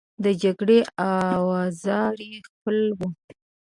د جګړې اوزار یې خپل وو.